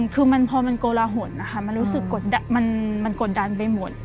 คือพอมันโกละหนนะคะมันรู้สึกมันกดดันไปหมด